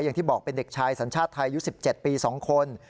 อย่างที่บอกเป็นเด็กชายสัญชาติไทยอายุ๑๗ปี๒คน